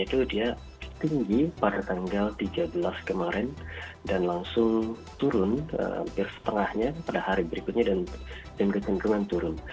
percakapannya sendiri tentang sampo ini menarik ya kalau dilihat dari trennya itu dia tinggi pada tanggal tiga belas kemarin dan langsung turun hampir setengahnya pada hari berikutnya dan kecenggungan turun